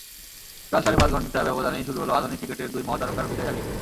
কাল সাড়ে পাঁচ ঘণ্টা ব্যবধানেই শুরু হলো আধুনিক ক্রিকেটের দুই মহাতারকার বিদায়রাগিণী।